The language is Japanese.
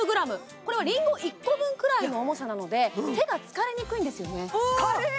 これはりんご１個分くらいの重さなので手が疲れにくいんですよね